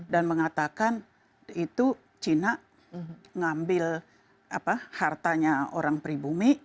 dan mengatakan itu cina ngambil hartanya orang pribumi